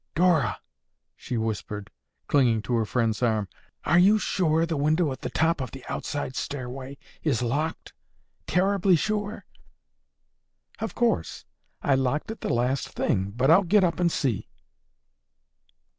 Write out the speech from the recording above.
"Dora," she whispered, clinging to her friend's arm, "are you sure the window at the top of the outside stairway is locked? Terribly sure?" "Of course. I locked it the last thing, but I'll get up and see."